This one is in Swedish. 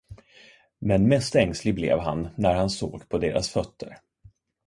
Men mest ängslig blev han, när han såg på deras fötter.